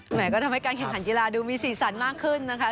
ก็ทำให้การแข่งขันกีฬาดูมีสีสันมากขึ้นนะคะ